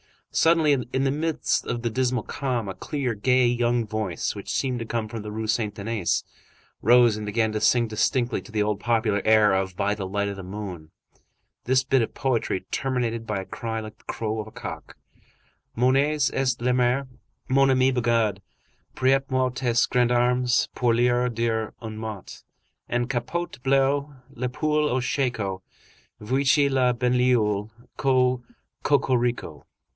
Suddenly, in the midst of the dismal calm, a clear, gay, young voice, which seemed to come from the Rue Saint Denis, rose and began to sing distinctly, to the old popular air of "By the Light of the Moon," this bit of poetry, terminated by a cry like the crow of a cock:— Mon nez est en larmes, Mon ami Bugeaud, Prête moi tes gendarmes Pour leur dire un mot. En capote bleue, La poule au shako, Voici la banlieue! Co cocorico!